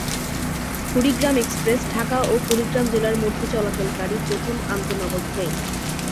Kurigram Express Dhaka ও কুড়িগ্রাম জেলার মধ্যে চলাচলকারী প্রথম আন্তঃনগর ট্রেন।